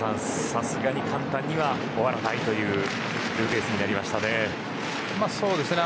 さすがに簡単には終わらないというツーベースになりましたね。